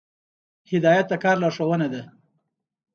هدایت د کار لارښوونه ده